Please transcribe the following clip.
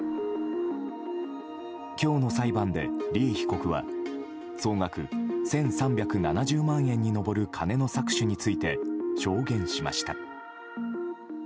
今日の裁判で利恵被告は総額１３７０万円に上る金の搾取について証言しました。